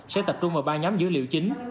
sẽ tập trung vào ba nhóm dữ liệu chính